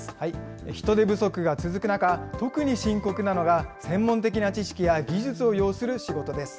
人手不足が続く中、特に深刻なのが専門的な知識や技術を要する仕事です。